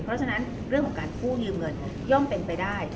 เพราะฉะนั้นเรื่องของการกู้ยืมเงินย่อมเป็นไปได้